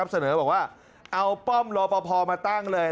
เสนอบอกว่าเอาป้อมรอปภมาตั้งเลย